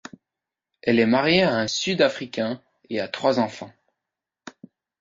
Elle est mariée à un Sud-Africain et a trois enfants.